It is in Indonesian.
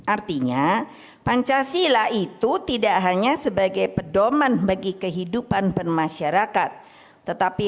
artinya pancasila itu tidak hanya sebagai pedoman bagi kehidupan bermasyarakat tetapi